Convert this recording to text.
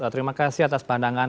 terima kasih atas pandangan